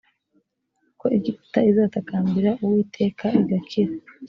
uko egiputa izatakambira uwiteka igakira